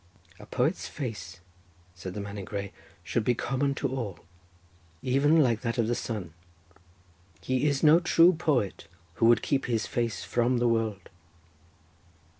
"A poet's face," said the man in grey, "should be common to all, even like that of the sun. He is no true poet, who would keep his face from the world."